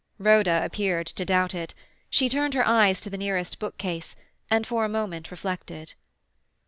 Rhoda appeared to doubt it. She turned her eyes to the nearest bookcase, and for a moment reflected.